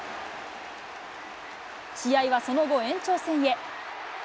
試合はその後、延長戦へ。